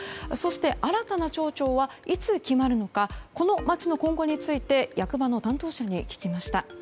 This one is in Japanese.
そして、新たな町長はいつ決まるのかこの町の今後について役場の担当者に聞きました。